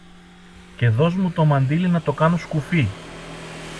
και δωσ' μου το μαντίλι να το κάνω σκουφί.